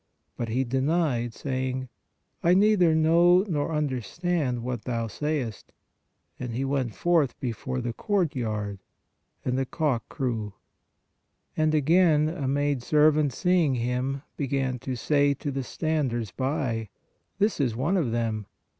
But he denied, saying: I neither know nor understand what thou sayest. And he went forth before the court (yard) ; and the cock crew. And again a maid servant seeing him, began to say to the standers by : This is one of them.